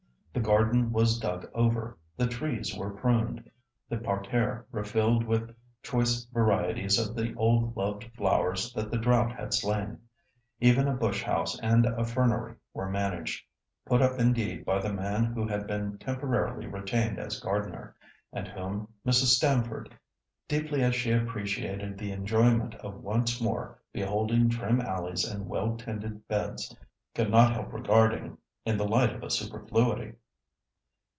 The garden was dug over, the trees were pruned, the parterre refilled with choice varieties of the old loved flowers that the drought had slain. Even a bush house and a fernery were managed—put up indeed by the man who had been temporarily retained as gardener, and whom Mrs. Stamford, deeply as she appreciated the enjoyment of once more beholding trim alleys and well tended beds, could not help regarding in the light of a superfluity.